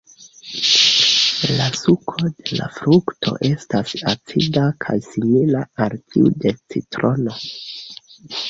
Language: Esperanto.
La suko de la frukto estas acida kaj simila al tiu de citrono.